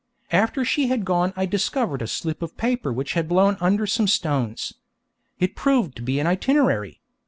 After she had gone I discovered a slip of paper which had blown under some stones. It proved to be an itinerary.